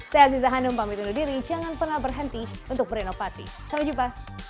saya aziza hanum pamit undur diri jangan pernah berhenti untuk berinovasi sampai jumpa